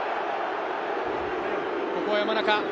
ここは山中。